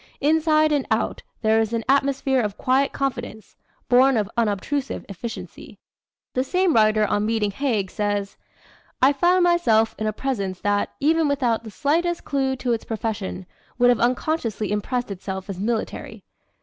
Inside and out there is an atmosphere of quiet confidence, born of unobtrusive efficiency." The same writer on meeting Haig says: "I found myself in a presence that, even without the slightest clue to its profession, would have unconsciously impressed itself as military.